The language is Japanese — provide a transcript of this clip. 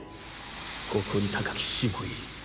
誇り高き死もいい。